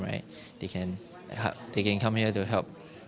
mereka dapat datang ke sini untuk membantu